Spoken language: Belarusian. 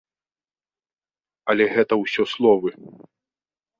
Але гэта ўсё словы.